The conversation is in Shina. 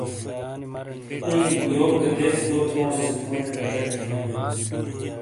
اُوں، یوک گہ دیس گو تھونیسیک موجی کَچٹ تھیونی ہِیں۔